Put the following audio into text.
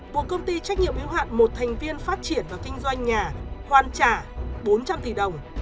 buộc công ty trách nhiệm ứng hoạn một thành viên phát triển và kinh doanh nhà hoàn trả bốn trăm linh tỷ đồng